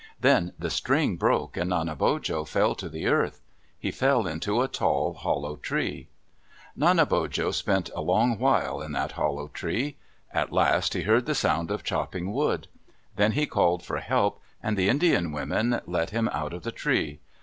Then the string broke, and Nanebojo fell to the earth. He fell into a tall hollow tree. Nanebojo spent a long while in that hollow tree. At last he heard the sound of chopping wood. Then he called for help, and the Indian women let him out of the tree.